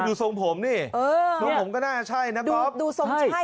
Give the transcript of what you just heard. ดูทรงผมนี่ทรงผมก็น่าจะใช่นะบ๊อบดูทรงใช่